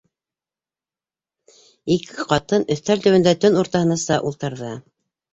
Ике ҡатын өҫтәл төбөндә төн уртаһынаса ултырҙы.